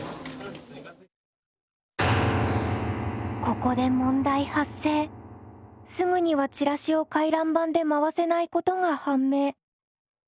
ここですぐにはチラシを回覧板で回せないことが判明。